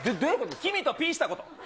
君とピーしたこと。